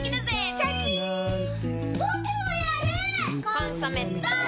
「コンソメ」ポン！